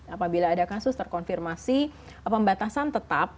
apabila ada kasus terkonfirmasi pembatasan tetap